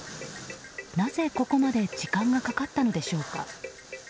なぜ、ここまで時間がかかったのでしょうか。